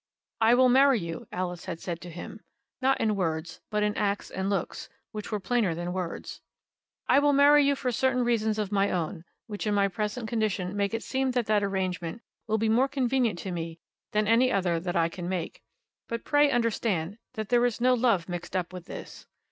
"I will marry you," Alice had said to him, not in words, but in acts and looks, which were plainer than words, "I will marry you for certain reasons of my own, which in my present condition make it seem that that arrangement will be more convenient to me than any other that I can make; but pray understand that there is no love mixed up with this.